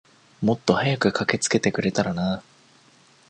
もっと早く駆けつけてくれたらな。